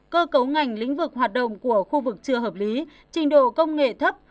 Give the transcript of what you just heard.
cơ cấu ngành lĩnh vực hoạt động của khu vực chưa hợp lý trình độ công nghệ thấp